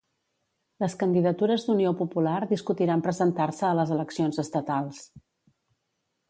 Les Candidatures d'Unió Popular discutiran presentar-se a les eleccions estatals.